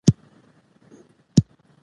دوی دښمن ته پته لګولې وه.